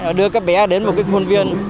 nó đưa các bé đến một cái khuôn viên